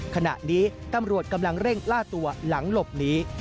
ขณะนี้ตำรวจกำลังเร่งล่าตัวหลังหลบหนี